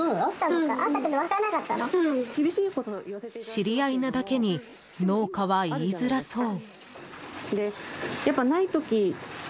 知り合いなだけに農家は言いづらそう。